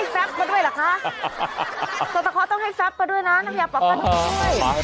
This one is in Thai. สัตตาโค้ต้องให้ซักมาด้วยนะนักยาปรับประดูกด้วย